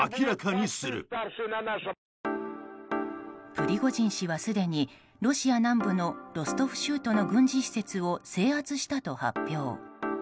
プリゴジン氏はすでにロシア南部のロストフ州都の軍事施設を制圧したと発表。